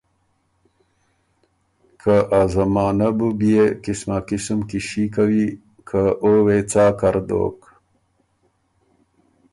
که ا زمانۀ بُو بيې قسما قسم قیصي کَوی که او وې څا کر دوک۔